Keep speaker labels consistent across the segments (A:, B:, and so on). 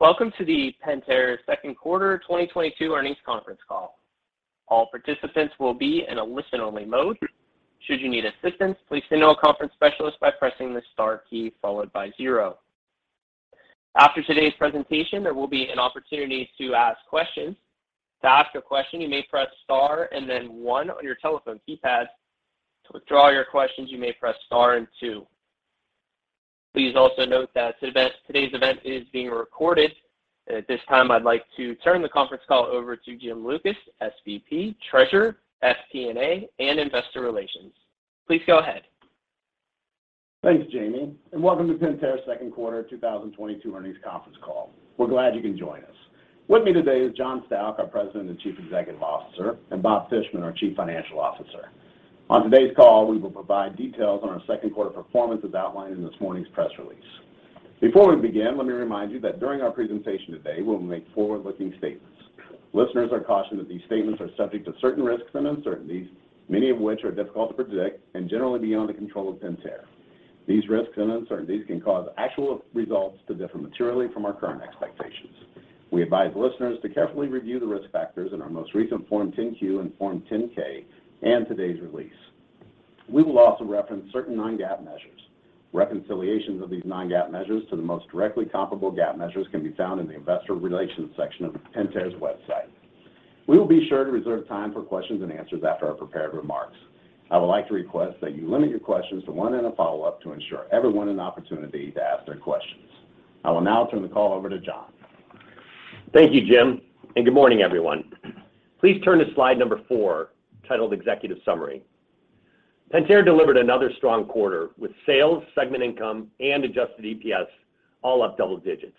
A: Welcome to the Pentair Second Quarter 2022 Earnings Conference Call. All participants will be in a listen-only mode. Should you need assistance, please signal a conference specialist by pressing the star key followed by zero. After today's presentation, there will be an opportunity to ask questions. To ask a question, you may press star and then one on your telephone keypad. To withdraw your questions, you may press star and two. Please also note that today's event is being recorded. At this time, I'd like to turn the conference call over to Jim Lucas, SVP, Treasurer, FP&A, and Investor Relations. Please go ahead.
B: Thanks, Jamie, and welcome to Pentair's second quarter 2022 earnings conference call. We're glad you can join us. With me today is John Stauch, our President and Chief Executive Officer, and Bob Fishman, our Chief Financial Officer. On today's call, we will provide details on our second quarter performance as outlined in this morning's press release. Before we begin, let me remind you that during our presentation today, we will make forward-looking statements. Listeners are cautioned that these statements are subject to certain risks and uncertainties, many of which are difficult to predict and generally beyond the control of Pentair. These risks and uncertainties can cause actual results to differ materially from our current expectations. We advise listeners to carefully review the risk factors in our most recent Form 10-Q and Form 10-K and today's release. We will also reference certain non-GAAP measures. Reconciliations of these non-GAAP measures to the most directly comparable GAAP measures can be found in the investor relations section of Pentair's website. We will be sure to reserve time for questions and answers after our prepared remarks. I would like to request that you limit your questions to one and a follow-up to ensure everyone an opportunity to ask their questions. I will now turn the call over to John.
C: Thank you, Jim, and good morning, everyone. Please turn to slide four, titled Executive Summary. Pentair delivered another strong quarter with sales, segment income, and adjusted EPS all up double digits.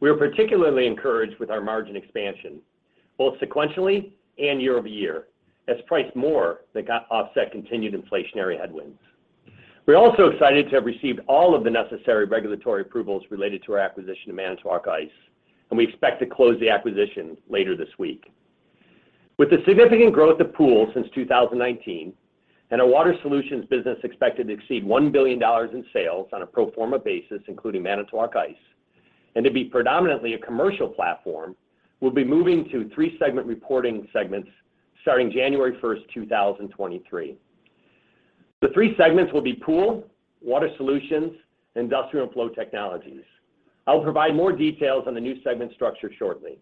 C: We are particularly encouraged with our margin expansion, both sequentially and year-over-year, as price more than offset continued inflationary headwinds. We're also excited to have received all of the necessary regulatory approvals related to our acquisition of Manitowoc Ice, and we expect to close the acquisition later this week. With the significant growth of Pool since 2019 and our Water Solutions business expected to exceed $1 billion in sales on a pro forma basis, including Manitowoc Ice, and to be predominantly a commercial platform, we'll be moving to three segment reporting segments starting January 1st, 2023. The three segments will be Pool, Water Solutions, and Industrial Flow Technologies. I'll provide more details on the new segment structure shortly.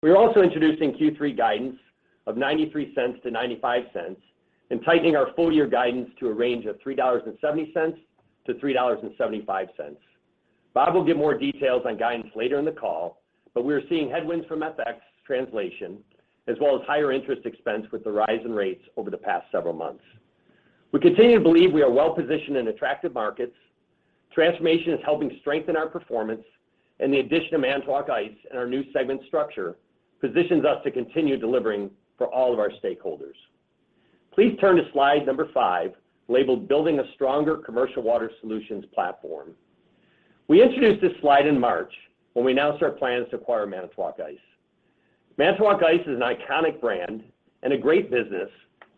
C: We are also introducing Q3 guidance of $0.93-$0.95 and tightening our full year guidance to a range of $3.70-$3.75. Bob will give more details on guidance later in the call, but we are seeing headwinds from FX translation as well as higher interest expense with the rise in rates over the past several months. We continue to believe we are well-positioned in attractive markets. Transformation is helping strengthen our performance, and the addition of Manitowoc Ice and our new segment structure positions us to continue delivering for all of our stakeholders. Please turn to slide five, labeled Building a Stronger Commercial Water Solutions Platform. We introduced this slide in March when we announced our plans to acquire Manitowoc Ice. Manitowoc Ice is an iconic brand and a great business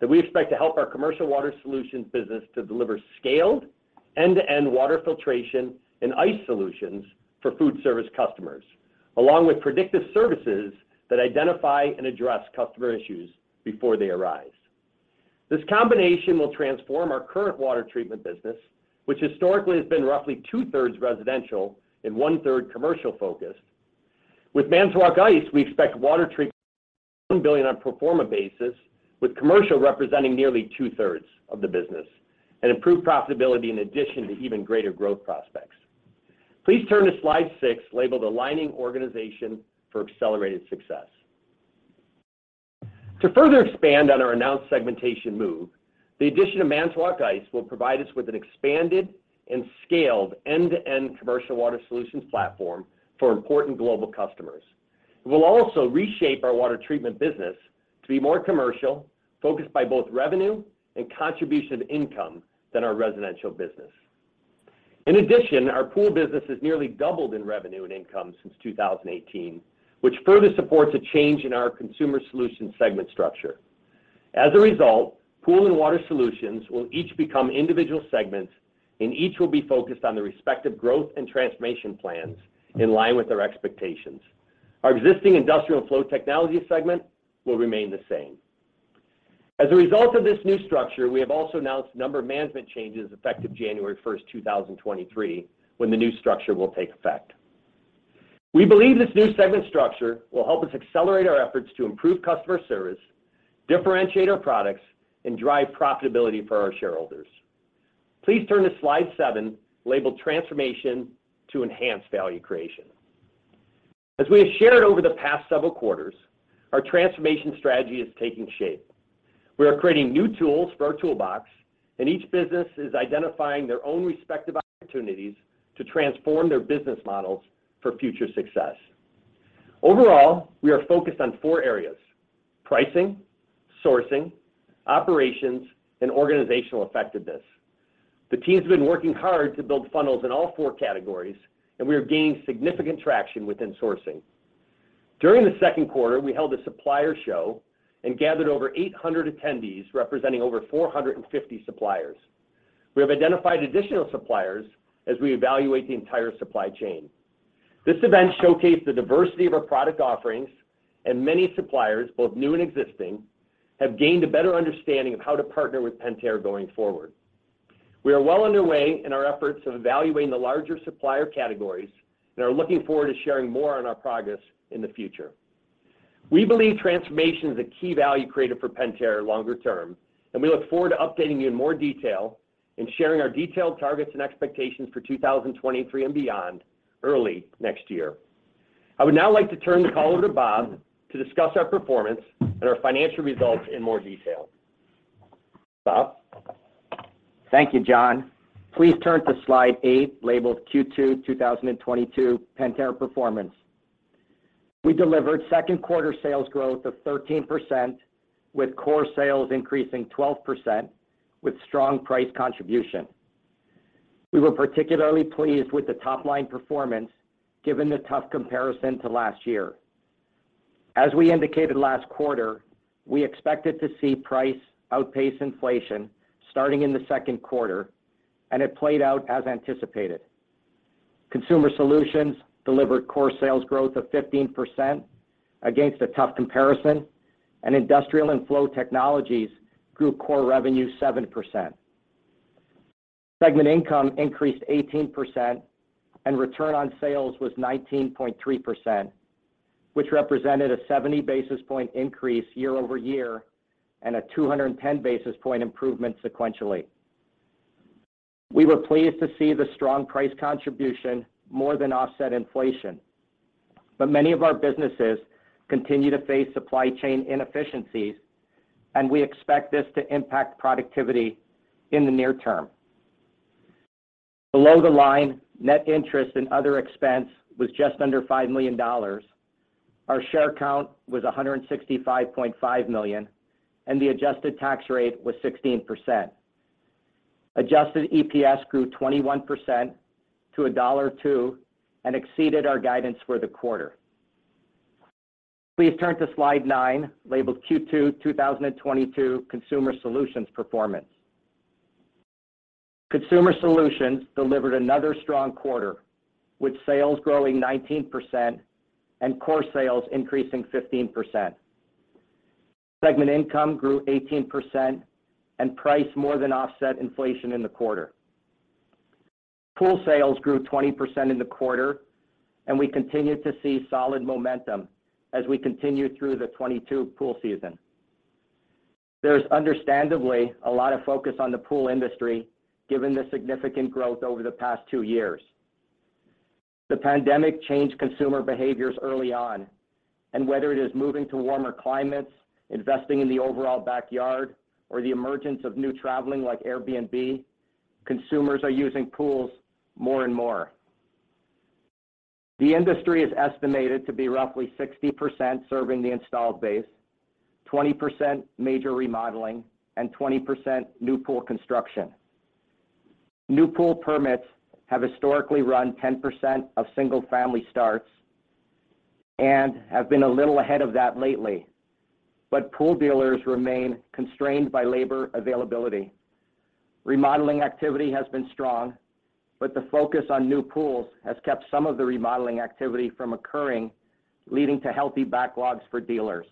C: that we expect to help our Commercial Water Solutions business to deliver scaled end-to-end water filtration and ice solutions for food service customers, along with predictive services that identify and address customer issues before they arise. This combination will transform our current water treatment business, which historically has been roughly 2/3 residential and 1/3 commercial focused. With Manitowoc Ice, we expect water treatment $1 billion on pro forma basis, with commercial representing nearly 2/3 of the business and improved profitability in addition to even greater growth prospects. Please turn to slide six, labeled Aligning Organization for Accelerated Success. To further expand on our announced segmentation move, the addition of Manitowoc Ice will provide us with an expanded and scaled end-to-end commercial water solutions platform for important global customers. It will also reshape our water treatment business to be more commercial, focused by both revenue and contribution income than our residential business. In addition, our Pool business has nearly doubled in revenue and income since 2018, which further supports a change in our Consumer Solutions segment structure. As a result, Pool and Water Solutions will each become individual segments, and each will be focused on the respective growth and transformation plans in line with our expectations. Our existing Industrial Flow Technologies segment will remain the same. As a result of this new structure, we have also announced a number of management changes effective January 1st, 2023, when the new structure will take effect. We believe this new segment structure will help us accelerate our efforts to improve customer service, differentiate our products, and drive profitability for our shareholders. Please turn to slide seven, labeled Transformation to Enhance Value Creation. As we have shared over the past several quarters, our transformation strategy is taking shape. We are creating new tools for our toolbox, and each business is identifying their own respective opportunities to transform their business models for future success. Overall, we are focused on four areas: pricing, sourcing, operations, and organizational effectiveness. The team's been working hard to build funnels in all four categories, and we have gained significant traction within sourcing. During the second quarter, we held a supplier show and gathered over 800 attendees representing over 450 suppliers. We have identified additional suppliers as we evaluate the entire supply chain. This event showcased the diversity of our product offerings and many suppliers, both new and existing, have gained a better understanding of how to partner with Pentair going forward. We are well underway in our efforts of evaluating the larger supplier categories and are looking forward to sharing more on our progress in the future. We believe transformation is a key value created for Pentair longer term, and we look forward to updating you in more detail and sharing our detailed targets and expectations for 2023 and beyond early next year. I would now like to turn the call over to Bob to discuss our performance and our financial results in more detail. Bob?
D: Thank you, John. Please turn to slide eight, labeled Q2 2022 Pentair Performance. We delivered second quarter sales growth of 13%, with core sales increasing 12% with strong price contribution. We were particularly pleased with the top-line performance given the tough comparison to last year. As we indicated last quarter, we expected to see price outpace inflation starting in the second quarter, and it played out as anticipated. Consumer Solutions delivered core sales growth of 15% against a tough comparison, and Industrial & Flow Technologies grew core revenue 7%. Segment income increased 18% and return on sales was 19.3%, which represented a 70 basis point increase year-over-year and a 210 basis point improvement sequentially. We were pleased to see the strong price contribution more than offset inflation. Many of our businesses continue to face supply chain inefficiencies, and we expect this to impact productivity in the near term. Below the line, net interest and other expense was just under $5 million. Our share count was 165.5 million, and the adjusted tax rate was 16%. Adjusted EPS grew 21% to $1.02 and exceeded our guidance for the quarter. Please turn to slide nine, labeled Q2 2022 Consumer Solutions Performance. Consumer Solutions delivered another strong quarter, with sales growing 19% and core sales increasing 15%. Segment income grew 18% and price more than offset inflation in the quarter. Pool sales grew 20% in the quarter, and we continued to see solid momentum as we continue through the 2022 pool season. There is understandably a lot of focus on the pool industry given the significant growth over the past two years. The pandemic changed consumer behaviors early on, and whether it is moving to warmer climates, investing in the overall backyard, or the emergence of new traveling like Airbnb, consumers are using pools more and more. The industry is estimated to be roughly 60% serving the installed base, 20% major remodeling, and 20% new pool construction. New pool permits have historically run 10% of single-family starts and have been a little ahead of that lately, but pool dealers remain constrained by labor availability. Remodeling activity has been strong, but the focus on new pools has kept some of the remodeling activity from occurring, leading to healthy backlogs for dealers.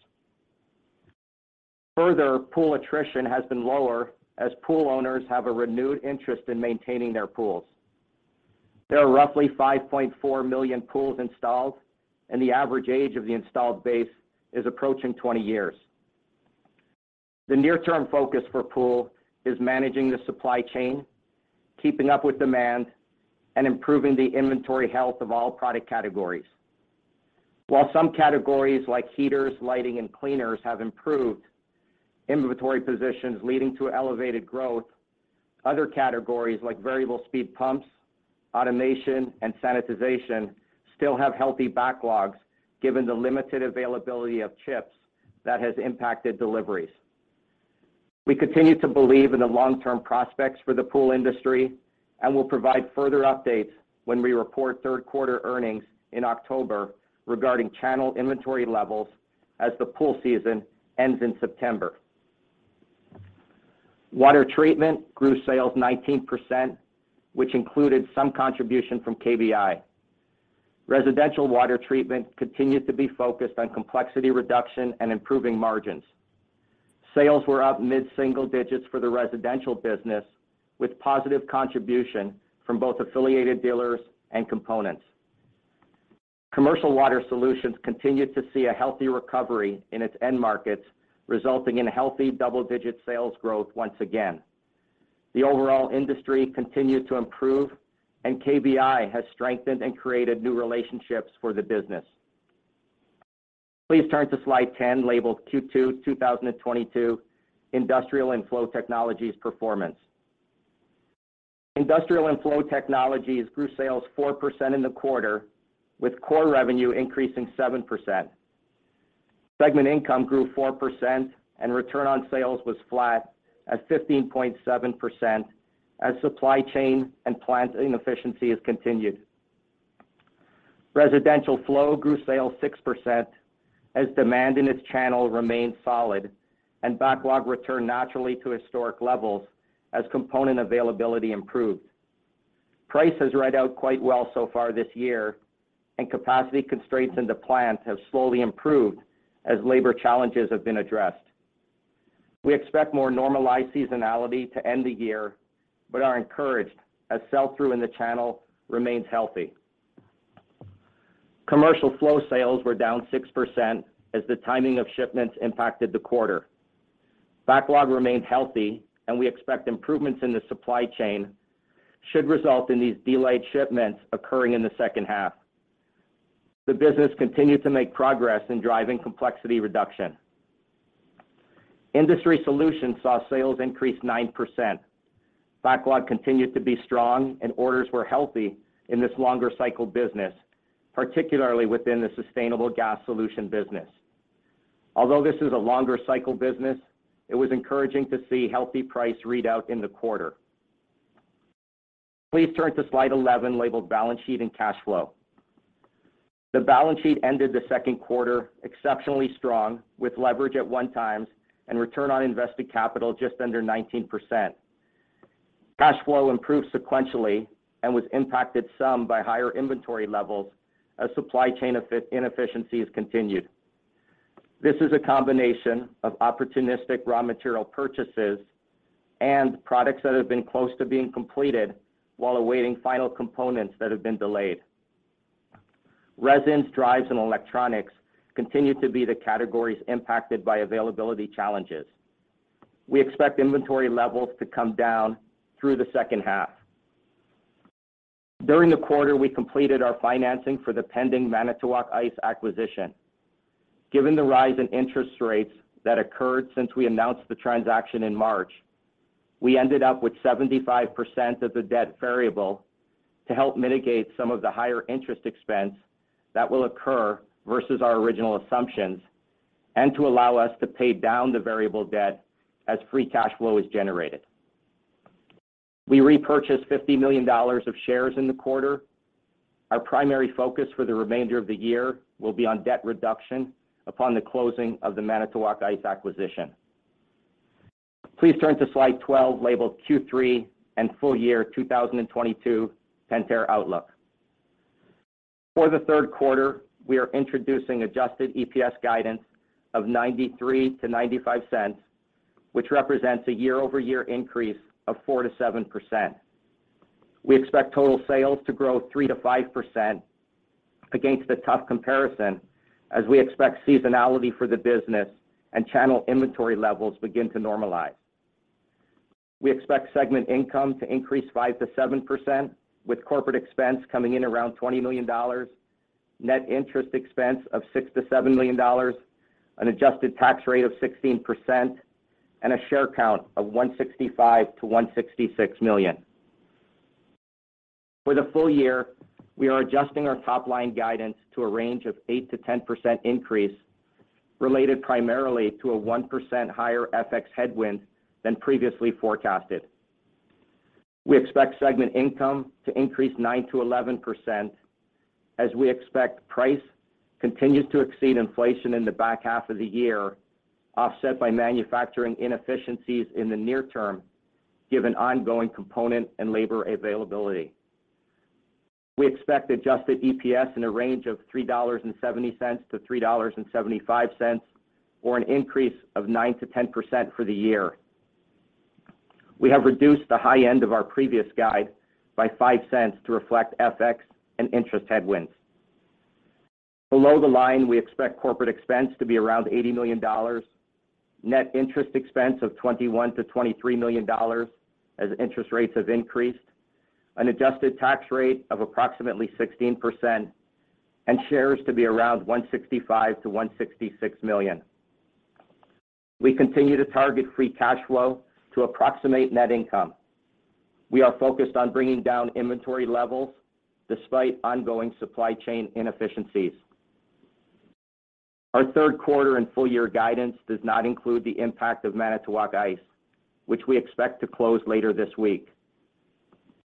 D: Further, pool attrition has been lower as pool owners have a renewed interest in maintaining their pools. There are roughly 5.4 million pools installed, and the average age of the installed base is approaching 20 years. The near-term focus for Pool is managing the supply chain, keeping up with demand, and improving the inventory health of all product categories. While some categories like heaters, lighting, and cleaners have improved inventory positions leading to elevated growth, other categories like variable speed pumps, automation, and sanitization still have healthy backlogs given the limited availability of chips that has impacted deliveries. We continue to believe in the long-term prospects for the pool industry and will provide further updates when we report third quarter earnings in October regarding channel inventory levels as the pool season ends in September. Water treatment grew sales 19%, which included some contribution from KBI. Residential water treatment continued to be focused on complexity reduction and improving margins. Sales were up mid-single digits for the residential business with positive contribution from both affiliated dealers and components. Commercial water solutions continued to see a healthy recovery in its end markets, resulting in healthy double-digit sales growth once again. The overall industry continued to improve, and KBI has strengthened and created new relationships for the business. Please turn to slide 10, labeled Q2 2022 Industrial & Flow Technologies Performance. Industrial & Flow Technologies grew sales 4% in the quarter, with core revenue increasing 7%. Segment income grew 4% and return on sales was flat at 15.7% as supply chain and plant inefficiencies continued. Residential Flow grew sales 6% as demand in its channel remained solid and backlog returned naturally to historic levels as component availability improved. Price has read out quite well so far this year and capacity constraints into plants have slowly improved as labor challenges have been addressed. We expect more normalized seasonality to end the year, but are encouraged as sell-through in the channel remains healthy. Commercial flow sales were down 6% as the timing of shipments impacted the quarter. Backlog remained healthy, and we expect improvements in the supply chain should result in these delayed shipments occurring in the second half. The business continued to make progress in driving complexity reduction. Industrial Solutions saw sales increase 9%. Backlog continued to be strong and orders were healthy in this longer cycle business, particularly within the sustainable gas solution business. Although this is a longer cycle business, it was encouraging to see healthy price read out in the quarter. Please turn to slide 11 labeled Balance Sheet and Cash Flow. The balance sheet ended the second quarter exceptionally strong with leverage at 1x and return on invested capital just under 19%. Cash flow improved sequentially and was impacted some by higher inventory levels as supply chain inefficiencies continued. This is a combination of opportunistic raw material purchases and products that have been close to being completed while awaiting final components that have been delayed. Resins, drives, and electronics continue to be the categories impacted by availability challenges. We expect inventory levels to come down through the second half. During the quarter, we completed our financing for the pending Manitowoc Ice acquisition. Given the rise in interest rates that occurred since we announced the transaction in March, we ended up with 75% of the debt variable to help mitigate some of the higher interest expense that will occur versus our original assumptions and to allow us to pay down the variable debt as free cash flow is generated. We repurchased $50 million of shares in the quarter. Our primary focus for the remainder of the year will be on debt reduction upon the closing of the Manitowoc Ice acquisition. Please turn to slide 12, labeled Q3 and Full Year 2022 Pentair Outlook. For the third quarter, we are introducing adjusted EPS guidance of $0.93-$0.95, which represents a year-over-year increase of 4%-7%. We expect total sales to grow 3%-5% against a tough comparison as we expect seasonality for the business and channel inventory levels begin to normalize. We expect segment income to increase 5%-7% with corporate expense coming in around $20 million, net interest expense of $6 million-$7 million, an adjusted tax rate of 16%, and a share count of 165 million-166 million. For the full year, we are adjusting our top-line guidance to a range of 8%-10% increase related primarily to a 1% higher FX headwind than previously forecasted. We expect segment income to increase 9%-11% as we expect price continues to exceed inflation in the back half of the year, offset by manufacturing inefficiencies in the near term, given ongoing component and labor availability. We expect adjusted EPS in a range of $3.70-$3.75 or an increase of 9%-10% for the year. We have reduced the high end of our previous guide by $0.05 to reflect FX and interest headwinds. Below the line, we expect corporate expense to be around $80 million, net interest expense of $21 million-$23 million as interest rates have increased, an adjusted tax rate of approximately 16%, and shares to be around 165 million-166 million. We continue to target free cash flow to approximate net income. We are focused on bringing down inventory levels despite ongoing supply chain inefficiencies. Our third quarter and full year guidance does not include the impact of Manitowoc Ice, which we expect to close later this week.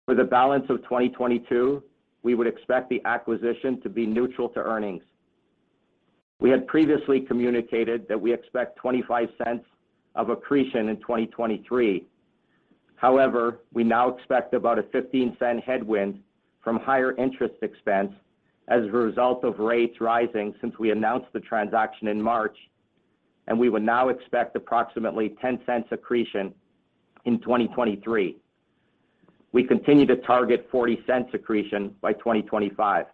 D: For the balance of 2022, we would expect the acquisition to be neutral to earnings. We had previously communicated that we expect $0.25 of accretion in 2023. However, we now expect about a $0.15 headwind from higher interest expense as a result of rates rising since we announced the transaction in March, and we would now expect approximately $0.10 accretion in 2023. We continue to target $0.40 accretion by 2025.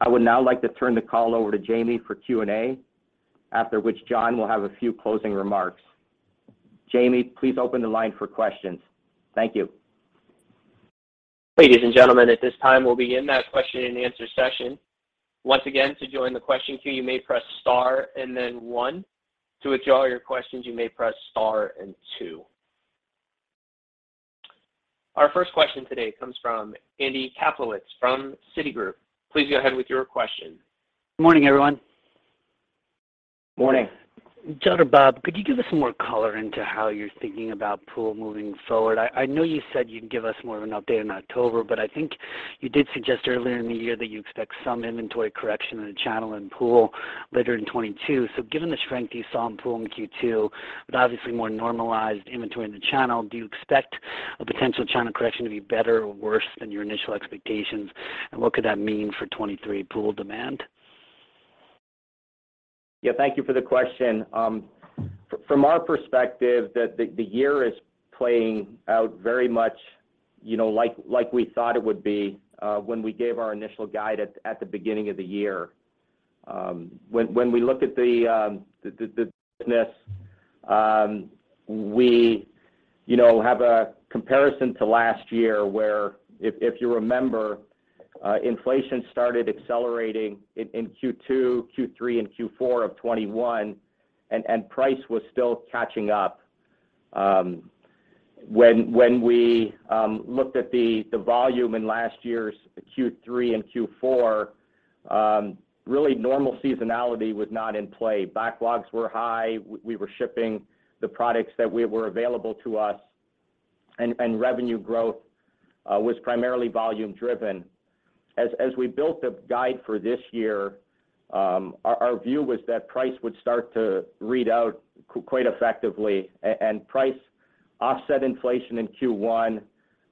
D: I would now like to turn the call over to Jamie for Q and A, after which John will have a few closing remarks. Jamie, please open the line for questions. Thank you.
A: Ladies and gentlemen, at this time, we'll begin that question and answer session. Once again, to join the question queue, you may press star and then one. To withdraw your questions, you may press star and two. Our first question today comes from Andy Kaplowitz from Citigroup. Please go ahead with your question.
E: Morning, everyone.
D: Morning.
E: John or Bob, could you give us some more color into how you're thinking about Pool moving forward? I know you said you'd give us more of an update in October, but I think you did suggest earlier in the year that you expect some inventory correction in the channel and Pool later in 2022. Given the strength you saw in Pool in Q2, but obviously more normalized inventory in the channel, do you expect a potential channel correction to be better or worse than your initial expectations? What could that mean for 2023 Pool demand?
D: Yeah, thank you for the question. From our perspective, the year is playing out very much, you know, like we thought it would be, when we gave our initial guide at the beginning of the year. When we look at the business, we, you know, have a comparison to last year, where if you remember, inflation started accelerating in Q2, Q3, and Q4 of 2021 and price was still catching up. When we looked at the volume in last year's Q3 and Q4, really normal seasonality was not in play. Backlogs were high. We were shipping the products that were available to us and revenue growth was primarily volume driven. As we built the guide for this year, our view was that price would start to read out quite effectively and price offset inflation in Q1,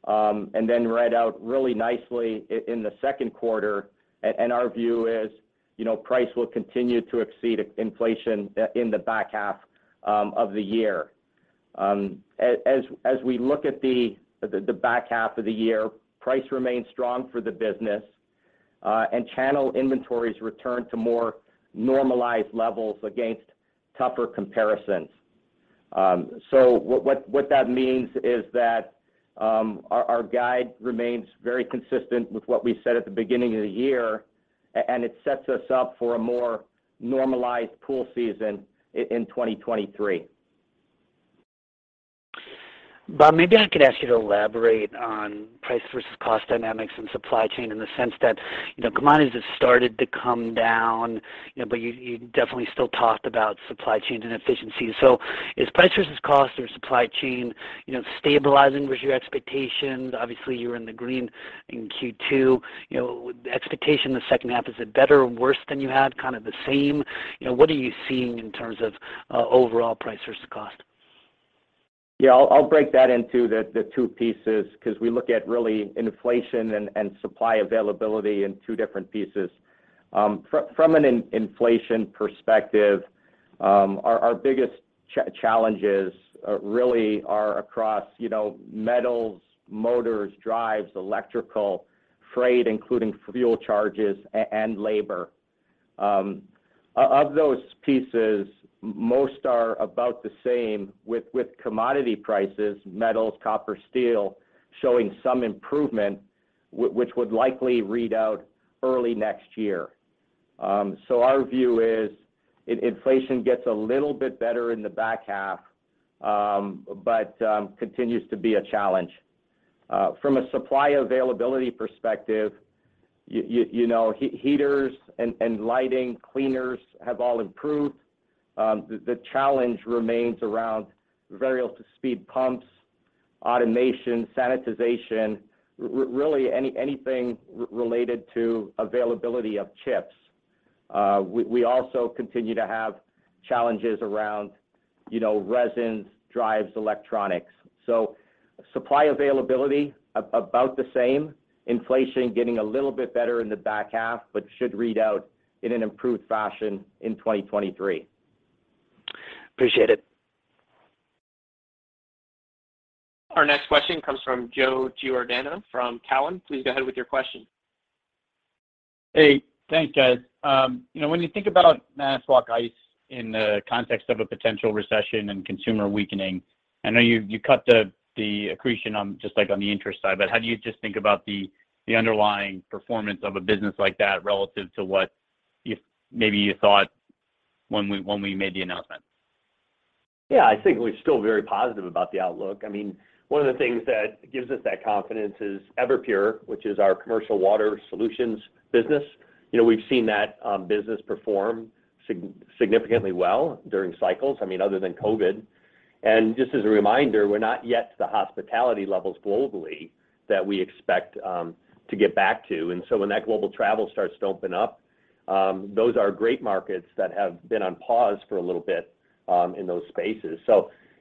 D: and then read out really nicely in the second quarter. Our view is, you know, price will continue to exceed inflation in the back half of the year. As we look at the back half of the year, price remains strong for the business, and channel inventories return to more normalized levels against tougher comparisons. What that means is that our guide remains very consistent with what we said at the beginning of the year and it sets us up for a more normalized pool season in 2023.
E: Bob, maybe I could ask you to elaborate on price versus cost dynamics and supply chain in the sense that, you know, commodities have started to come down, you know, but you definitely still talked about supply chains and efficiency. Is price versus cost or supply chain, you know, stabilizing? Was your expectation, obviously you were in the green in Q2, you know, expectation in the second half, is it better or worse than you had, kind of the same? You know, what are you seeing in terms of, overall price versus cost?
D: Yeah, I'll break that into the two pieces because we look at really inflation and supply availability in two different pieces. From an inflation perspective, our biggest challenges really are across, you know, metals, motors, drives, electrical, freight, including fuel charges and labor. Of those pieces, most are about the same with commodity prices, metals, copper, steel, showing some improvement which would likely read through early next year. Our view is inflation gets a little bit better in the back half, but continues to be a challenge. From a supply availability perspective, you know, heaters and lighting, cleaners have all improved. The challenge remains around variable speed pumps, automation, sanitization, really anything related to availability of chips. We also continue to have challenges around, you know, resins, drives, electronics. Supply availability about the same. Inflation getting a little bit better in the back half, but should read out in an improved fashion in 2023.
E: Appreciate it.
A: Our next question comes from Joe Giordano from Cowen. Please go ahead with your question.
F: Hey, thanks guys. You know, when you think about Manitowoc Ice in the context of a potential recession and consumer weakening, I know you cut the accretion on just like on the interest side, but how do you think about the underlying performance of a business like that relative to what you maybe thought when we made the announcement?
D: Yeah, I think we're still very positive about the outlook. I mean, one of the things that gives us that confidence is Everpure, which is our commercial water solutions business. You know, we've seen that business perform significantly well during cycles, I mean, other than COVID. Just as a reminder, we're not yet to the hospitality levels globally that we expect to get back to. When that global travel starts to open up, those are great markets that have been on pause for a little bit in those spaces.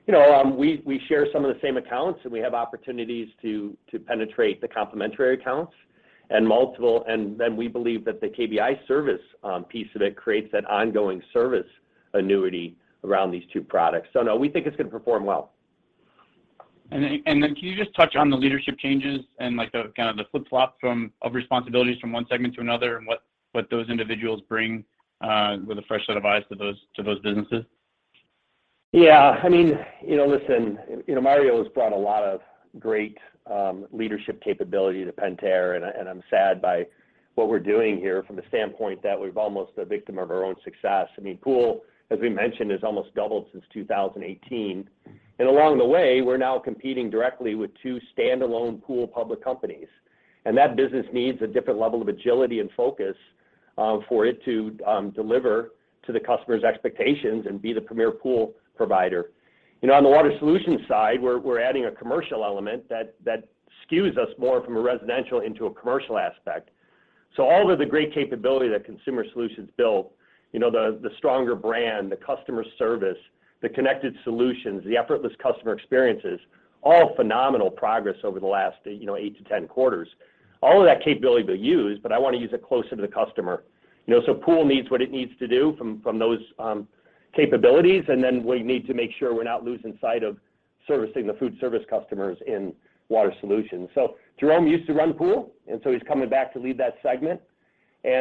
D: You know, we share some of the same accounts, and we have opportunities to penetrate the complementary accounts and then we believe that the KBI service piece of it creates that ongoing service annuity around these two products. No, we think it's gonna perform well.
F: Can you just touch on the leadership changes and like the kind of the flip-flop of responsibilities from one segment to another and what those individuals bring with a fresh set of eyes to those businesses?
C: Yeah, I mean, you know, listen, you know, Mario has brought a lot of great leadership capability to Pentair, and I'm sad by what we're doing here from the standpoint that we're almost a victim of our own success. I mean, Pool, as we mentioned, has almost doubled since 2018. Along the way, we're now competing directly with two standalone pool public companies. That business needs a different level of agility and focus. For it to deliver to the customer's expectations and be the premier Pool provider. You know, on the Water Solutions side, we're adding a commercial element that skews us more from a residential into a commercial aspect. All of the great capability that Consumer Solutions built, you know, the stronger brand, the customer service, the connected solutions, the effortless customer experiences, all phenomenal progress over the last 8-10 quarters. All of that capability we'll use, but I wanna use it closer to the customer. You know? Pool needs what it needs to do from those capabilities, and then we need to make sure we're not losing sight of servicing the food service customers in Water Solutions. Jerome used to run Pool, and so he's coming back to lead that segment.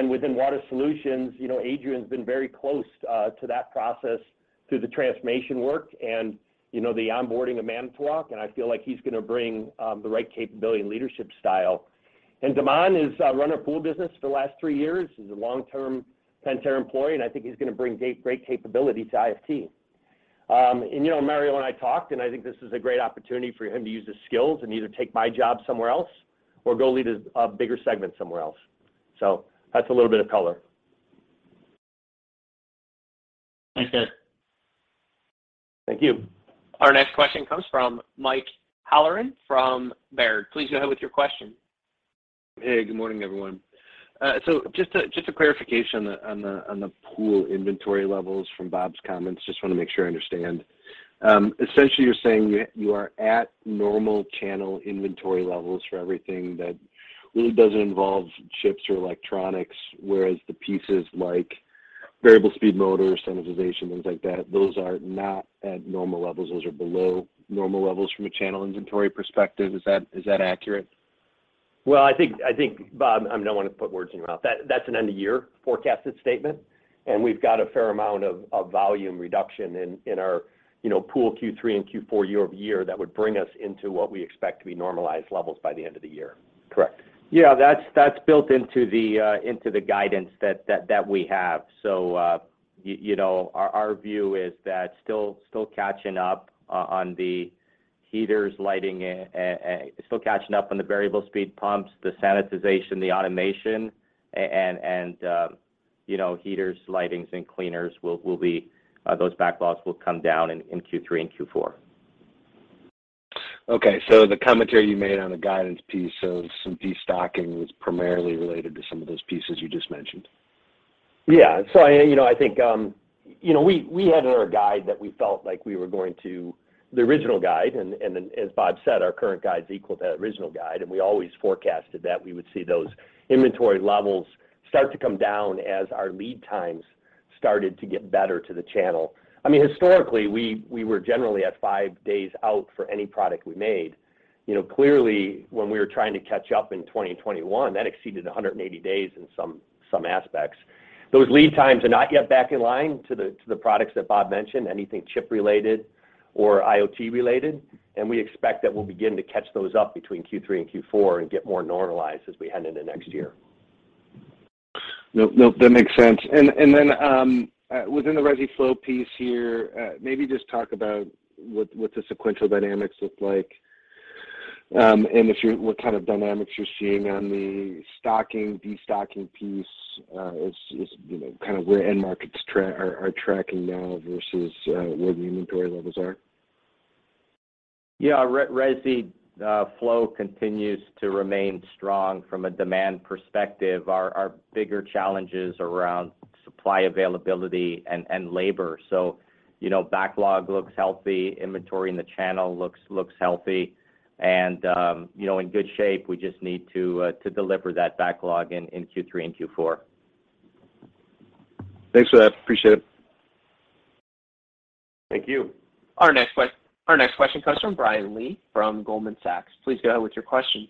C: Within Water Solutions, you know, Adrian's been very close to that process through the transformation work, and, you know, the onboarding of Manitowoc, and I feel like he's gonna bring the right capability and leadership style. De'Mon has run our Pool business for the last three years. He's a long-term Pentair employee, and I think he's gonna bring great capability to IFT. You know, Mario and I talked, and I think this is a great opportunity for him to use his skills and either take my job somewhere else or go lead a bigger segment somewhere else. That's a little bit of color.
F: Thanks, guys.
C: Thank you.
A: Our next question comes from Mike Halloran from Baird. Please go ahead with your question.
G: Hey, good morning, everyone. Just a clarification on the pool inventory levels from Bob's comments. Just wanna make sure I understand. Essentially you're saying you are at normal channel inventory levels for everything that really doesn't involve chips or electronics, whereas the pieces like variable speed motors, sanitization, things like that, those are not at normal levels. Those are below normal levels from a channel inventory perspective. Is that accurate?
C: Well, I think, Bob, I don't wanna put words in your mouth. That's an end-of-year forecasted statement, and we've got a fair amount of volume reduction in our, you know, Pool Q3 and Q4 year-over-year that would bring us into what we expect to be normalized levels by the end of the year.
D: Correct. Yeah, that's built into the guidance that we have. You know, our view is that still catching up on the heaters, lighting, and still catching up on the variable speed pumps, the sanitization, the automation, and you know, heaters, lighting, and cleaners will be those backlogs will come down in Q3 and Q4.
G: Okay. The commentary you made on the guidance piece of some destocking was primarily related to some of those pieces you just mentioned.
C: Yeah. I, you know, I think, you know, we had in our guide that we felt like we were going to the original guide, and as Bob said, our current guide's equal to that original guide, and we always forecasted that we would see those inventory levels start to come down as our lead times started to get better to the channel. I mean, historically, we were generally at five days out for any product we made. You know, clearly, when we were trying to catch up in 2021, that exceeded 180 days in some aspects. Those lead times are not yet back in line to the products that Bob mentioned, anything chip related or IoT related, and we expect that we'll begin to catch those up between Q3 and Q4 and get more normalized as we head into next year.
G: No, no, that makes sense. Within the resi flow piece here, maybe just talk about what the sequential dynamics look like, and what kind of dynamics you're seeing on the stocking, destocking piece, as you know, kind of where end markets are tracking now versus where the inventory levels are.
D: Flow continues to remain strong from a demand perspective. Our bigger challenge is around supply availability and labor. You know, backlog looks healthy. Inventory in the channel looks healthy and you know, in good shape. We just need to deliver that backlog in Q3 and Q4.
G: Thanks for that. Appreciate it.
C: Thank you.
A: Our next question comes from Brian Lee from Goldman Sachs. Please go ahead with your question.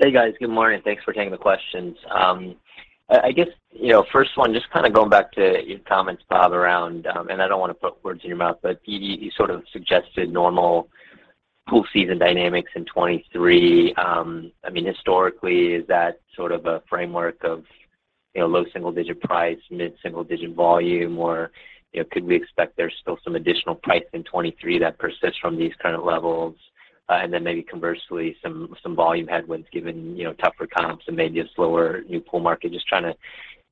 H: Hey, guys. Good morning. Thanks for taking the questions. I guess, you know, first one, just kinda going back to your comments, Bob, around, and I don't wanna put words in your mouth, but you sort of suggested normal pool season dynamics in 2023. I mean, historically, is that sort of a framework of, you know, low single-digit price, mid-single-digit volume, or, you know, could we expect there's still some additional pricing in 2023 that persists from these kind of levels? And then maybe conversely some volume headwinds given, you know, tougher comps and maybe a slower new pool market. Just trying to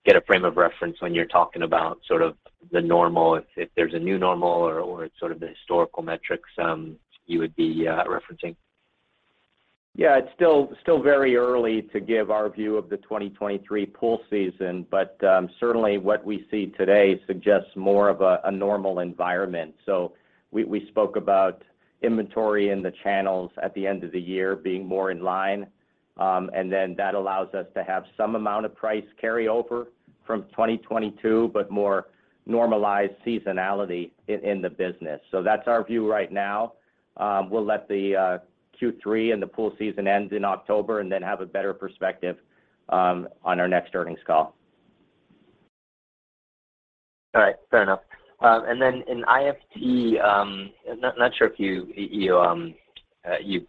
H: get a frame of reference when you're talking about sort of the normal, if there's a new normal or it's sort of the historical metrics you would be referencing.
D: Yeah. It's still very early to give our view of the 2023 pool season, but certainly what we see today suggests more of a normal environment. We spoke about inventory in the channels at the end of the year being more in line, and then that allows us to have some amount of price carryover from 2022, but more normalized seasonality in the business. That's our view right now. We'll let the Q3 and the pool season end in October and then have a better perspective on our next earnings call.
H: All right. Fair enough. In IFT, I'm not sure if you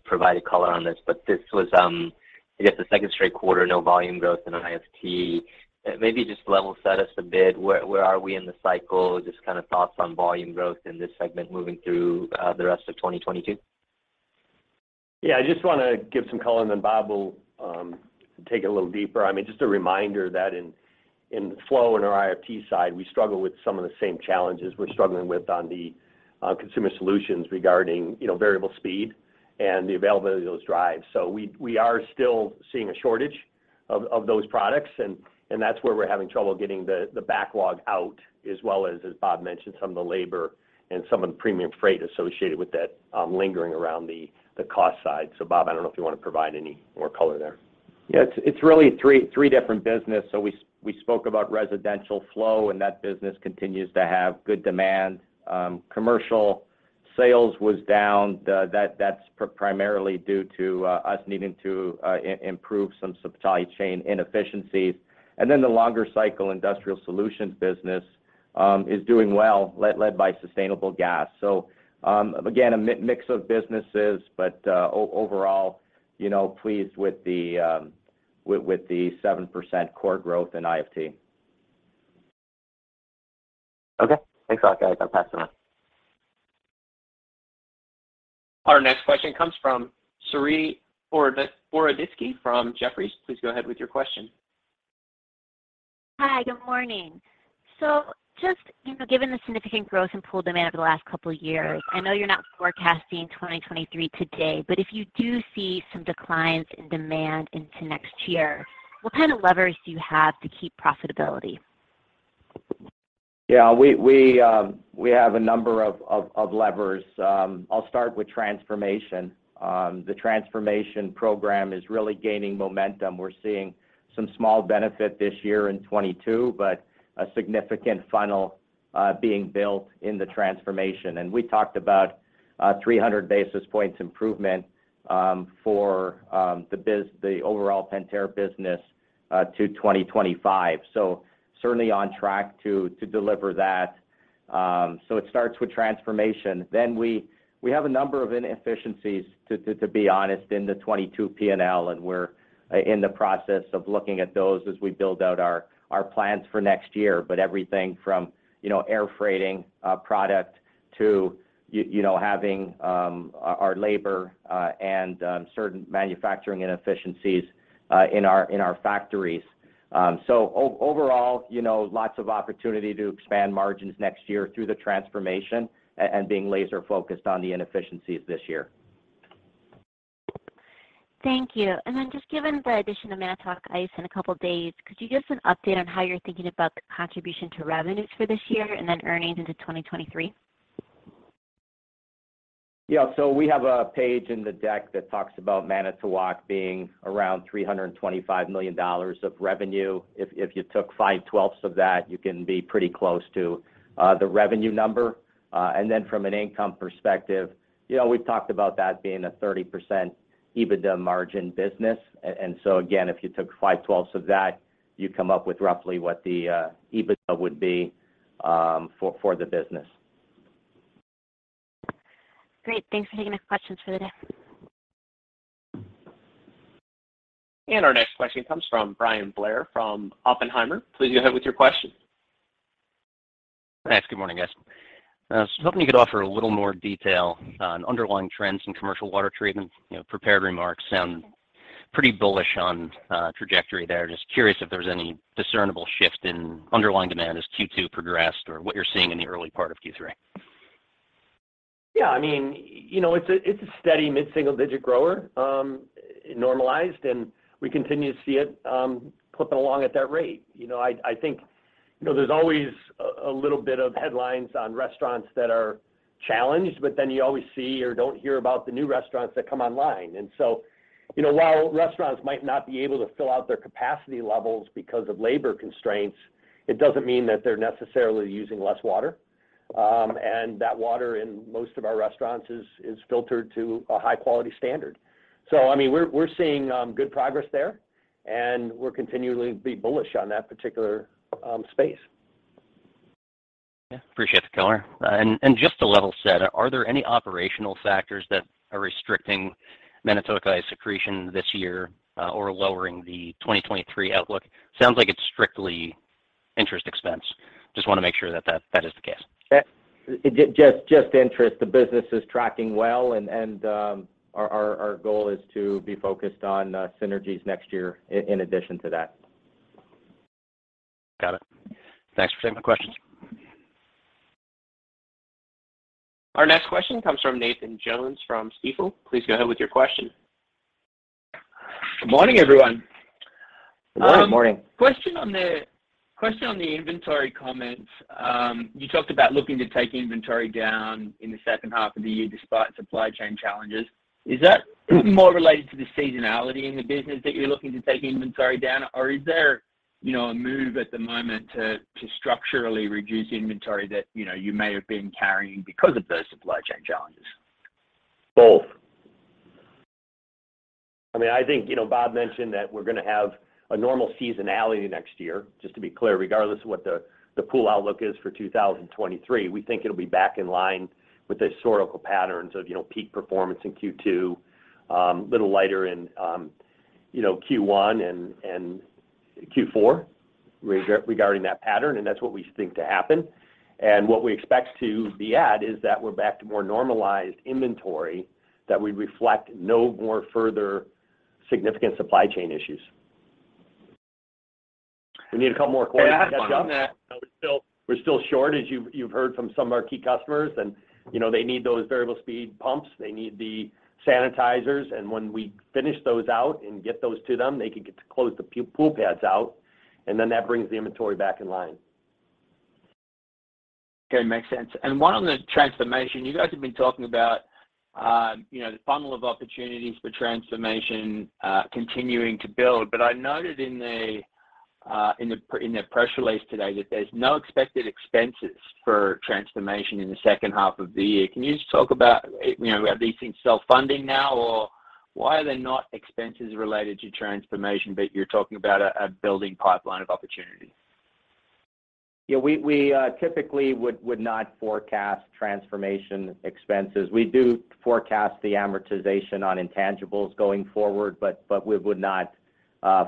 H: provided color on this, but this was. I guess the second straight quarter, no volume growth in IFT. Maybe just level set us a bit. Where are we in the cycle? Just kind of thoughts on volume growth in this segment moving through the rest of 2022.
C: Yeah. I just wanna give some color and then Bob will take it a little deeper. I mean, just a reminder that in flow, in our IFT side, we struggle with some of the same challenges we're struggling with on the Consumer Solutions regarding, you know, variable speed and the availability of those drives. We are still seeing a shortage of those products and that's where we're having trouble getting the backlog out as well as Bob mentioned, some of the labor and some of the premium freight associated with that lingering around the cost side. Bob, I don't know if you wanna provide any more color there.
D: Yeah. It's really three different business. We spoke about residential flow, and that business continues to have good demand. Commercial sales was down. That's primarily due to us needing to improve some supply chain inefficiencies. Then the longer cycle industrial solutions business is doing well led by sustainable gas. Again, a mix of businesses, but overall, you know, pleased with the 7% core growth in IFT.
H: Okay. Thanks a lot, guys. I'll pass it on.
A: Our next question comes from Saree Boroditsky from Jefferies. Please go ahead with your question.
I: Hi. Good morning. Just, you know, given the significant growth in pool demand over the last couple of years, I know you're not forecasting 2023 today, but if you do see some declines in demand into next year, what kind of levers do you have to keep profitability?
D: Yeah. We have a number of levers. I'll start with transformation. The transformation program is really gaining momentum. We're seeing some small benefit this year in 2022, but a significant funnel being built in the transformation. We talked about 300 basis points improvement for the overall Pentair business to 2025. Certainly on track to deliver that. It starts with transformation. We have a number of inefficiencies, to be honest, in the 2022 P&L, and we're in the process of looking at those as we build out our plans for next year. Everything from, you know, air freighting product to you know, having our labor and certain manufacturing inefficiencies in our factories. Overall, you know, lots of opportunity to expand margins next year through the transformation and being laser focused on the inefficiencies this year.
I: Thank you. Just given the addition of Manitowoc Ice in a couple of days, could you give us an update on how you're thinking about the contribution to revenues for this year and then earnings into 2023?
D: Yeah. We have a page in the deck that talks about Manitowoc being around $325 million of revenue. If you took five-twelfths of that, you can be pretty close to the revenue number. From an income perspective, you know, we've talked about that being a 30% EBITDA margin business. Again, if you took five-twelfths of that, you come up with roughly what the EBITDA would be for the business.
I: Great. Thanks for taking the questions for the day.
A: Our next question comes from Bryan Blair from Oppenheimer. Please go ahead with your question.
J: Thanks. Good morning, guys. I was hoping you could offer a little more detail on underlying trends in commercial water treatment. You know, prepared remarks sound pretty bullish on trajectory there. Just curious if there's any discernible shift in underlying demand as Q2 progressed or what you're seeing in the early part of Q3.
C: Yeah. I mean, you know, it's a steady mid-single-digit grower, normalized, and we continue to see it clipping along at that rate. You know, I think, you know, there's always a little bit of headlines on restaurants that are challenged, but then you always see or don't hear about the new restaurants that come online. You know, while restaurants might not be able to fill out their capacity levels because of labor constraints, it doesn't mean that they're necessarily using less water. That water in most of our restaurants is filtered to a high quality standard. So I mean, we're seeing good progress there, and we're continually be bullish on that particular space.
J: Yeah. Appreciate the color. Just to level set, are there any operational factors that are restricting Manitowoc Ice accretion this year, or lowering the 2023 outlook? Sounds like it's strictly interest expense. Just wanna make sure that is the case.
C: Yeah. Just interest. The business is tracking well and our goal is to be focused on synergies next year in addition to that.
J: Got it. Thanks for taking the questions.
A: Our next question comes from Nathan Jones from Stifel. Please go ahead with your question.
K: Good morning, everyone.
C: Good morning.
K: Question on the inventory comments. You talked about looking to take inventory down in the second half of the year despite supply chain challenges. Is that more related to the seasonality in the business that you're looking to take inventory down? Or is there, you know, a move at the moment to structurally reduce inventory that, you know, you may have been carrying because of those supply chain challenges?
C: Both. I mean, I think, you know, Bob mentioned that we're gonna have a normal seasonality next year. Just to be clear, regardless of what the Pool outlook is for 2023, we think it'll be back in line with the historical patterns of, you know, peak performance in Q2, little lighter in, you know, Q1 and Q4.
D: Regarding that pattern, and that's what we think to happen. What we expect to be at is that we're back to more normalized inventory that we reflect no more further significant supply chain issues. We need a couple more quarters to catch up.
K: Yeah, I understand that.
D: We're still short as you've heard from some of our key customers and, you know, they need those variable speed pumps. They need the sanitizers, and when we finish those out and get those to them, they can get to close the pool pads out. That brings the inventory back in line.
K: Okay. Makes sense. One on the transformation. You guys have been talking about, you know, the funnel of opportunities for transformation continuing to build. I noted in the press release today that there's no expected expenses for transformation in the second half of the year. Can you just talk about, you know, are these things self-funding now, or why are there not expenses related to transformation, but you're talking about a building pipeline of opportunity?
D: Yeah, we typically would not forecast transformation expenses. We do forecast the amortization on intangibles going forward, but we would not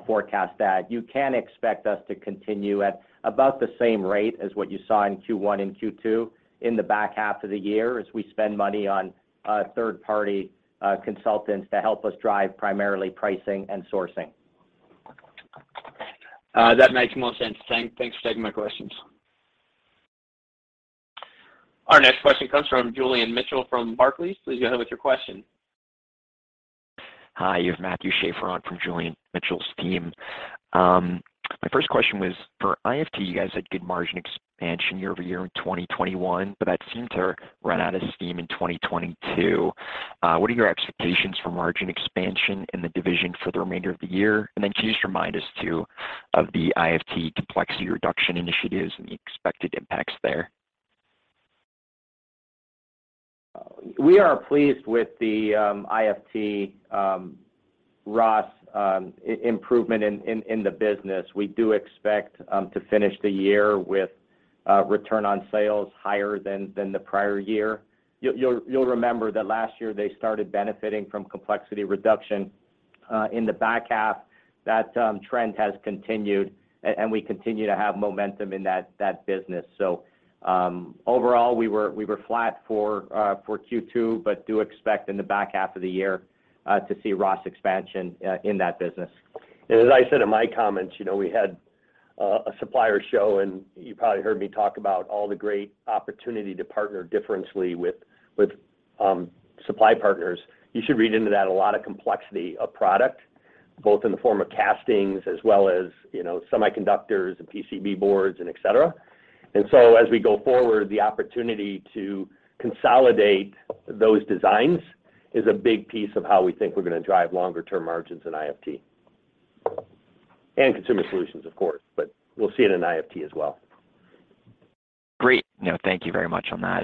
D: forecast that. You can expect us to continue at about the same rate as what you saw in Q1 and Q2 in the back half of the year as we spend money on third-party consultants to help us drive primarily pricing and sourcing.
K: That makes more sense. Thanks for taking my questions.
A: Our next question comes from Julian Mitchell from Barclays. Please go ahead with your question.
L: Hi. You have Matthew Shaffer on from Julian Mitchell's team. My first question was for IFT. You guys had good margin expansion year-over-year in 2021, but that seemed to run out of steam in 2022. What are your expectations for margin expansion in the division for the remainder of the year? Can you just remind us, too, of the IFT complexity reduction initiatives and the expected impacts there?
D: We are pleased with the IFT ROS improvement in the business. We do expect to finish the year with return on sales higher than the prior year. You'll remember that last year they started benefiting from complexity reduction in the back half. That trend has continued and we continue to have momentum in that business. Overall, we were flat for Q2, but do expect in the back half of the year to see ROS expansion in that business.
C: As I said in my comments, you know, we had a supplier show, and you probably heard me talk about all the great opportunity to partner differently with supply partners. You should read into that a lot of complexity of product, both in the form of castings as well as, you know, semiconductors and PCB boards and et cetera. As we go forward, the opportunity to consolidate those designs is a big piece of how we think we're gonna drive longer term margins in IFT. Consumer Solutions, of course, but we'll see it in IFT as well.
L: Great. No, thank you very much on that.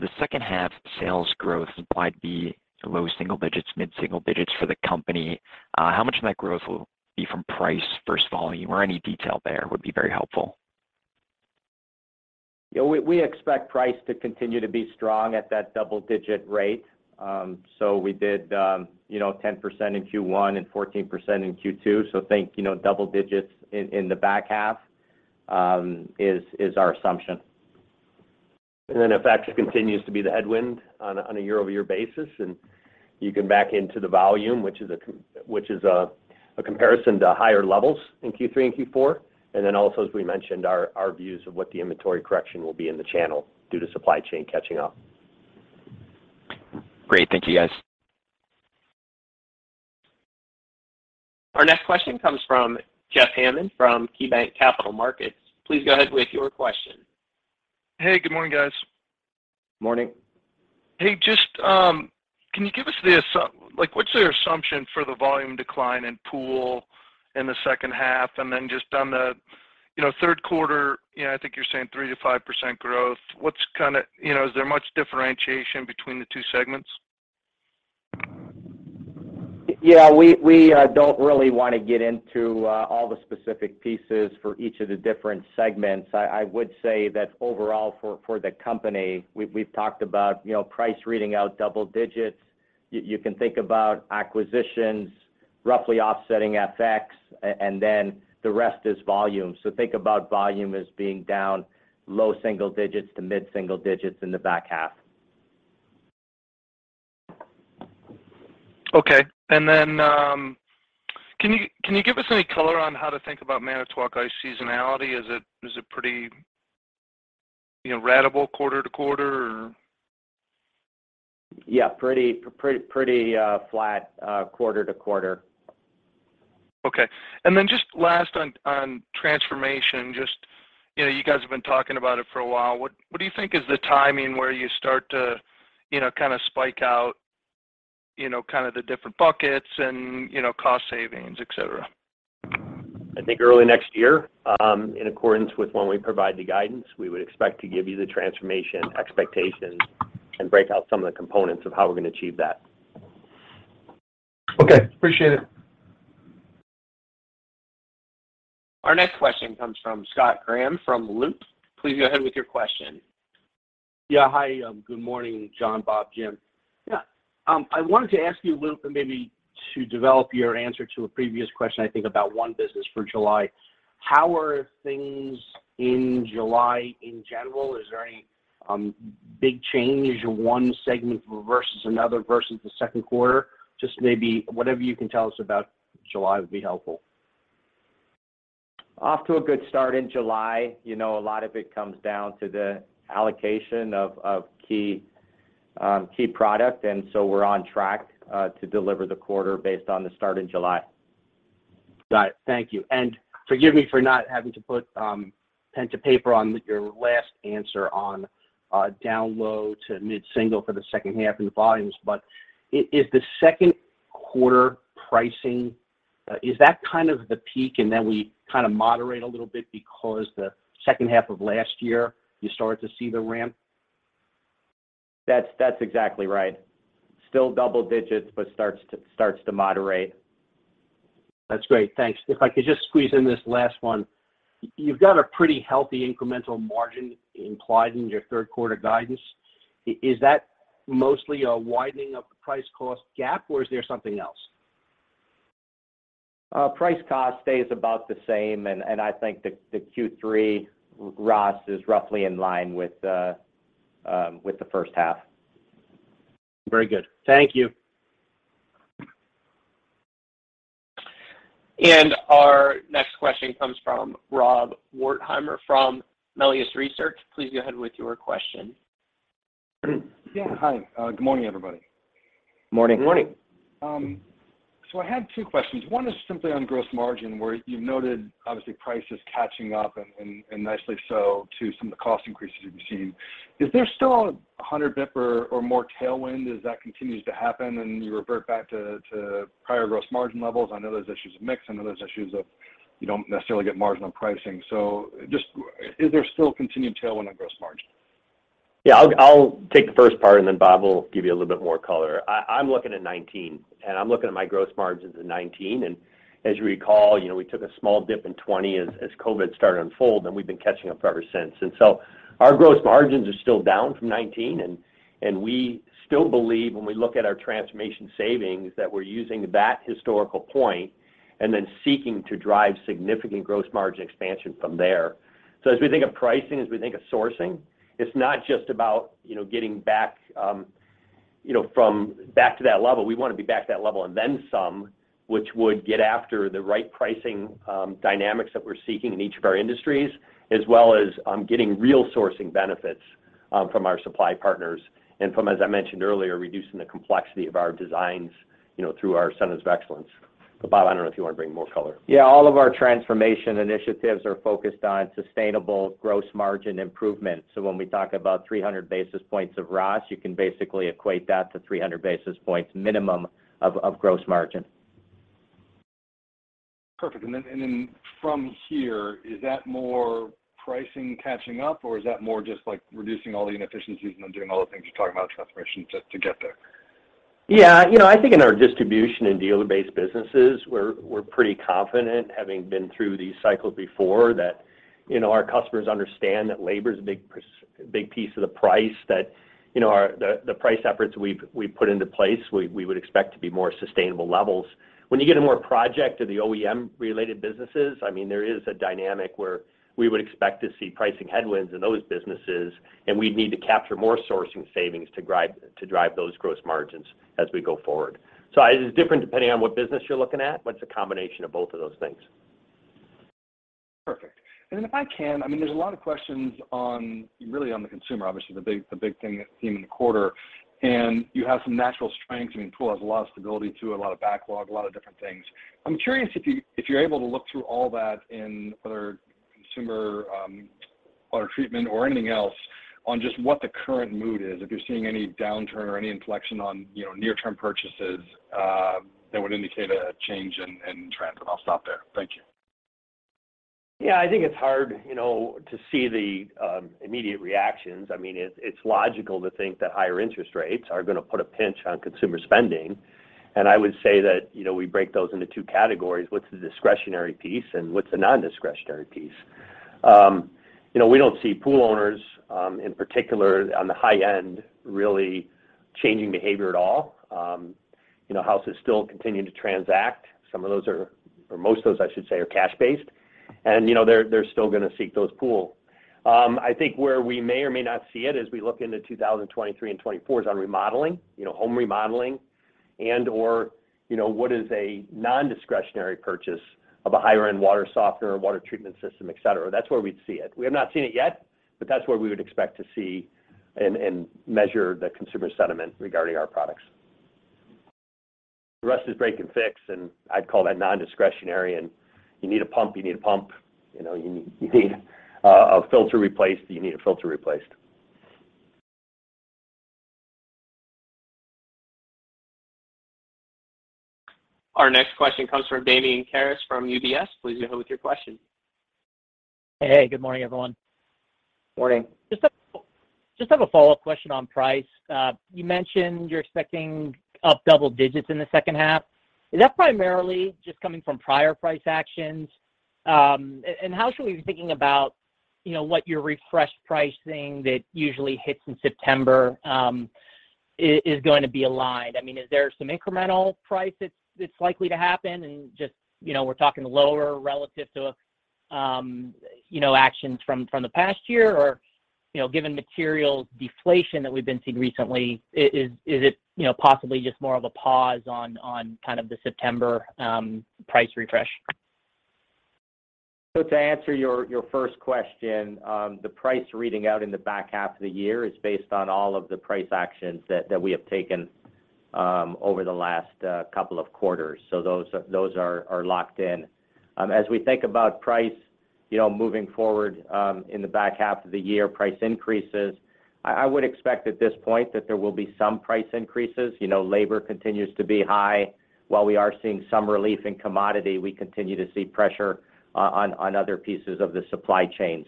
L: The second half sales growth implied to be low single digits, mid single digits for the company. How much of that growth will be from price versus volume, or any detail there would be very helpful.
D: We expect price to continue to be strong at that double-digit rate. We did 10% in Q1 and 14% in Q2. You know, think double digits in the back half is our assumption.
C: If that continues to be the headwind on a year-over-year basis, and you can back into the volume, which is a comparison to higher levels in Q3 and Q4. Also, as we mentioned, our views of what the inventory correction will be in the channel due to supply chain catching up.
L: Great. Thank you, guys.
A: Our next question comes from Jeff Hammond from KeyBanc Capital Markets. Please go ahead with your question.
M: Hey, good morning, guys.
D: Morning.
M: Hey, just, can you give us Like, what's your assumption for the volume decline in Pool in the second half? Then just on the, you know, third quarter, you know, I think you're saying 3%-5% growth. What, you know, is there much differentiation between the two segments?
D: Yeah. We don't really wanna get into all the specific pieces for each of the different segments. I would say that overall for the company, we've talked about, you know, price reading out double digits. You can think about acquisitions roughly offsetting FX, and then the rest is volume. Think about volume as being down low single digits to mid single digits in the back half.
M: Okay. Can you give us any color on how to think about Manitowoc Ice seasonality? Is it pretty, you know, ratable quarter to quarter or?
D: Yeah, pretty flat quarter to quarter.
M: Okay. Just last on transformation. Just, you know, you guys have been talking about it for a while. What do you think is the timing where you start to, you know, kinda spike out, you know, kind of the different buckets and, you know, cost savings, et cetera?
D: I think early next year, in accordance with when we provide the guidance, we would expect to give you the transformation expectations and break out some of the components of how we're gonna achieve that.
M: Okay. Appreciate it.
A: Our next question comes from Scott Graham from Loop. Please go ahead with your question.
N: Hi, good morning John, Bob, Jim. I wanted to ask you a little maybe to develop your answer to a previous question I think about one business for July. How are things in July in general? Is there any big change in one segment versus another versus the second quarter? Just maybe whatever you can tell us about July would be helpful.
C: Off to a good start in July. You know, a lot of it comes down to the allocation of key product, and so we're on track to deliver the quarter based on the start in July.
N: Got it. Thank you. Forgive me for not having to put pen to paper on your last answer on down, low- to mid-single for the second half in volumes. Is the second quarter pricing that kind of the peak, and then we kind of moderate a little bit because the second half of last year you started to see the ramp?
C: That's exactly right. Still double digits, but starts to moderate.
N: That's great. Thanks. If I could just squeeze in this last one. You've got a pretty healthy incremental margin implied in your third quarter guidance. Is that mostly a widening of the price cost gap, or is there something else?
C: Price cost stays about the same. I think the Q3 ROS is roughly in line with the first half.
N: Very good. Thank you.
A: Our next question comes from Rob Wertheimer from Melius Research. Please go ahead with your question.
O: Yeah. Hi. Good morning, everybody.
C: Morning.
D: Morning.
O: I had two questions. One is simply on gross margin, where you've noted obviously prices catching up and nicely so to some of the cost increases you've seen. Is there still 100 basis points or more tailwind as that continues to happen and you revert back to prior gross margin levels? I know there's issues with mix. I know there's issues of you don't necessarily get margin on pricing. Just is there still continued tailwind on gross margin?
C: Yeah. I'll take the first part, and then Bob will give you a little bit more color. I'm looking at 2019, and I'm looking at my gross margins in 2019. As you recall, you know, we took a small dip in 2020 as COVID started to unfold, and we've been catching up ever since. Our gross margins are still down from 2019, and we still believe when we look at our transformation savings, that we're using that historical point and then seeking to drive significant gross margin expansion from there. As we think of pricing, as we think of sourcing, it's not just about, you know, getting back to that level. We wanna be back to that level and then some, which would get after the right pricing dynamics that we're seeking in each of our industries, as well as getting real sourcing benefits from our supply partners and from, as I mentioned earlier, reducing the complexity of our designs, you know, through our centers of excellence. Bob, I don't know if you wanna bring more color.
D: Yeah. All of our transformation initiatives are focused on sustainable gross margin improvement. When we talk about 300 basis points of ROS, you can basically equate that to 300 basis points minimum of gross margin.
O: Perfect. From here, is that more pricing catching up, or is that more just like reducing all the inefficiencies and then doing all the things you're talking about transformation to get there?
C: Yeah. You know, I think in our distribution and dealer-based businesses, we're pretty confident having been through these cycles before that, you know, our customers understand that labor's a big piece of the price that, you know, the price efforts we've put into place, we would expect to be more sustainable levels. When you get to more project- or the OEM-related businesses, I mean, there is a dynamic where we would expect to see pricing headwinds in those businesses, and we'd need to capture more sourcing savings to drive those gross margins as we go forward. It is different depending on what business you're looking at, but it's a combination of both of those things.
O: Perfect. If I can, I mean, there's a lot of questions on, really on the consumer, obviously the big theme in the quarter. You have some natural strength. I mean, Pool has a lot of stability to it, a lot of backlog, a lot of different things. I'm curious if you're able to look through all that and whether consumer water treatment or anything else on just what the current mood is, if you're seeing any downturn or any inflection on, you know, near-term purchases, that would indicate a change in trend. I'll stop there. Thank you.
C: Yeah. I think it's hard, you know, to see the immediate reactions. I mean, it's logical to think that higher interest rates are gonna put a pinch on consumer spending. I would say that, you know, we break those into two categories. What's the discretionary piece and what's the non-discretionary piece? You know, we don't see pool owners in particular on the high end really changing behavior at all. You know, houses still continuing to transact. Some of those are, or most of those, I should say, are cash based. You know, they're still gonna seek those pool. I think where we may or may not see it as we look into 2023 and 2024 is on remodeling, you know, home remodeling and/or, you know, what is a non-discretionary purchase of a higher end water softener or water treatment system, et cetera. That's where we'd see it. We have not seen it yet, but that's where we would expect to see and measure the consumer sentiment regarding our products. The rest is break and fix, and I'd call that non-discretionary. You need a pump. You know, you need a filter replaced.
A: Our next question comes from Damian Karas from UBS. Please go ahead with your question.
P: Hey. Good morning, everyone.
C: Morning.
P: Just have a follow-up question on price. You mentioned you're expecting up double digits in the second half. Is that primarily just coming from prior price actions? How should we be thinking about, you know, what your refresh pricing that usually hits in September is going to be aligned? I mean, is there some incremental price that's likely to happen? Just, you know, we're talking lower relative to, you know, actions from the past year, or, you know, given material deflation that we've been seeing recently, is it, you know, possibly just more of a pause on kind of the September price refresh?
D: To answer your first question, the pricing in the back half of the year is based on all of the price actions that we have taken over the last couple of quarters. Those are locked in. As we think about pricing, you know, moving forward in the back half of the year, price increases, I would expect at this point that there will be some price increases. You know, labor continues to be high. While we are seeing some relief in commodities, we continue to see pressure on other pieces of the supply chain.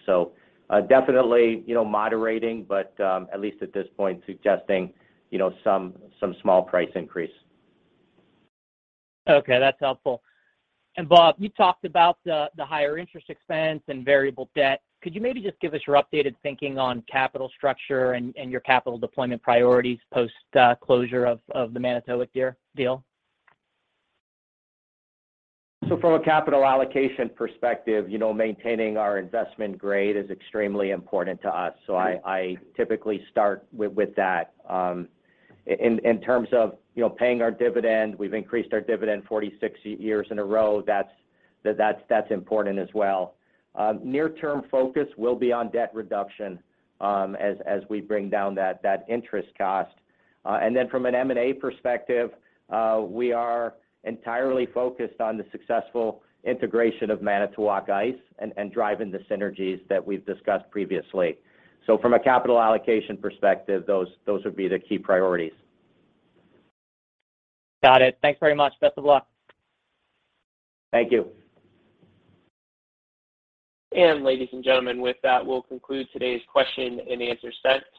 D: Definitely, you know, moderating, but at least at this point, suggesting, you know, some small price increase.
P: Okay, that's helpful. Bob, you talked about the higher interest expense and variable debt. Could you maybe just give us your updated thinking on capital structure and your capital deployment priorities post closure of the Manitowoc deal?
D: From a capital allocation perspective, you know, maintaining our investment grade is extremely important to us. I typically start with that. In terms of, you know, paying our dividend, we've increased our dividend 46 years in a row. That's important as well. Near term focus will be on debt reduction, as we bring down that interest cost. And then from an M&A perspective, we are entirely focused on the successful integration of Manitowoc Ice and driving the synergies that we've discussed previously. From a capital allocation perspective, those would be the key priorities.
P: Got it. Thanks very much. Best of luck.
D: Thank you.
A: Ladies and gentlemen, with that, we'll conclude today's question and answer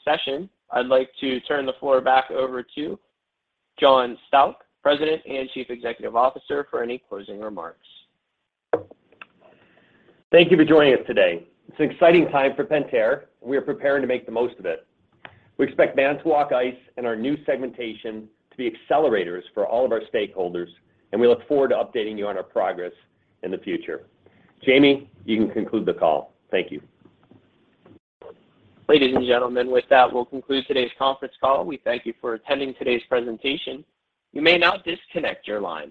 A: session. I'd like to turn the floor back over to John Stauch, President and Chief Executive Officer, for any closing remarks.
C: Thank you for joining us today. It's an exciting time for Pentair, and we are preparing to make the most of it. We expect Manitowoc Ice and our new segmentation to be accelerators for all of our stakeholders, and we look forward to updating you on our progress in the future. Jamie, you can conclude the call. Thank you.
A: Ladies and gentlemen, with that, we'll conclude today's conference call. We thank you for attending today's presentation. You may now disconnect your line.